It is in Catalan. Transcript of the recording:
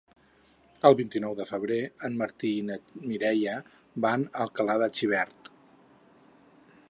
El vint-i-nou de febrer en Martí i na Mireia van a Alcalà de Xivert.